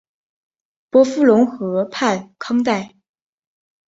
伯夫龙河畔康代。